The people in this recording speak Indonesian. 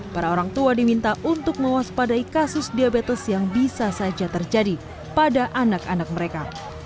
para orang tua diminta untuk mewaspadai kasus diabetes yang bisa saja terjadi pada anak anak mereka